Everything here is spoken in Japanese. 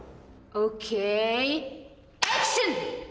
ＯＫアクション！